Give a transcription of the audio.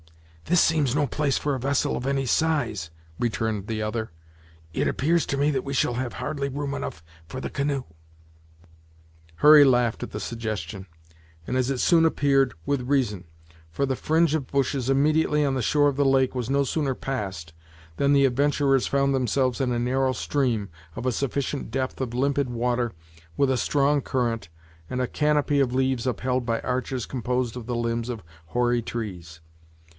"This seems no place for a vessel of any size," returned the other; "it appears to me that we shall have hardly room enough for the canoe." Hurry laughed at the suggestion, and, as it soon appeared, with reason; for the fringe of bushes immediately on the shore of the lake was no sooner passed, than the adventurers found themselves in a narrow stream, of a sufficient depth of limpid water, with a strong current, and a canopy of leaves upheld by arches composed of the limbs of hoary trees.